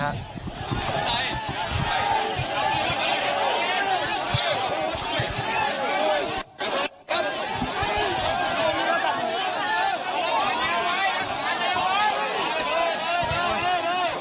พระบุว่าจะมารับคนให้เดินทางเข้าไปในวัดพระธรรมกาลนะคะ